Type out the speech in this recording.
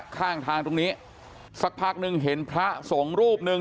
ข้างทางตรงนี้สักพักหนึ่งเห็นพระสงฆ์รูปหนึ่ง